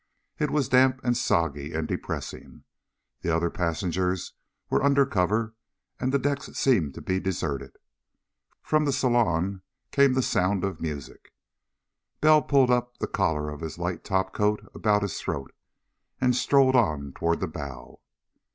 It was damp, and soggy, and depressing. The other passengers were under cover, and the decks seemed to be deserted. From the saloon came the sound of music. Bell pulled the collar of his light topcoat about his throat and strolled on toward the bow.